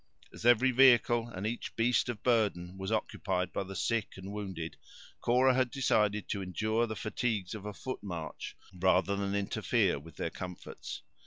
As every vehicle and each beast of burden was occupied by the sick and wounded, Cora had decided to endure the fatigues of a foot march, rather than interfere with their comforts.